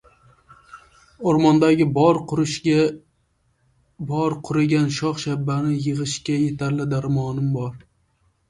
O‘rmondagi bor qurigan shox-shabbani yig‘ishga yetarli darmonim bor